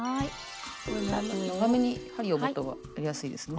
長めに針を持った方がやりやすいですね。